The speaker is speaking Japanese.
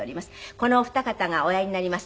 このお二方がおやりになります太神